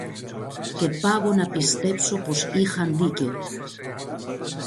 Και πάγω να πιστέψω πως είχαν δίκαιο.